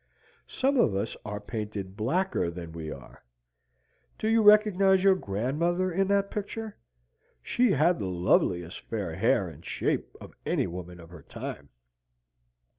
Some of us are painted blacker than we are. Did you recognise your grandmother in that picture? She had the loveliest fair hair and shape of any woman of her time."